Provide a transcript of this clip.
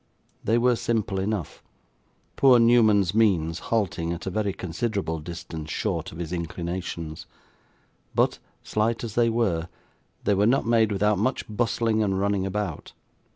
These were simple enough; poor Newman's means halting at a very considerable distance short of his inclinations; but, slight as they were, they were not made without much bustling and running about.